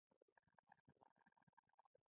سيلانيان په کوچنيو کښتيو کې ګرځي را ګرځي.